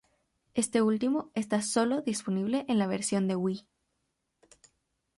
Este último está sólo disponible en la versión de Wii.